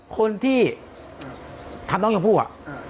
คนที่ทำน้องเยียมผู้น่ะ